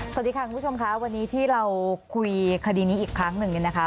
สวัสดีค่ะคุณผู้ชมค่ะวันนี้ที่เราคุยคดีนี้อีกครั้งหนึ่งเนี่ยนะคะ